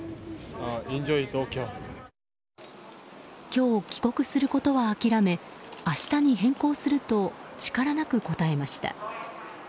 今日、帰国することは諦め明日に変更すると力なく答えました。